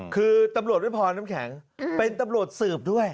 คือตำรวจไม่พอน้ำแข็งเป็นตำรวจสืบด้วย